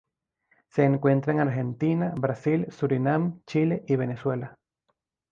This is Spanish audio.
Se encuentra en Argentina, Brasil, Surinam, Chile y Venezuela.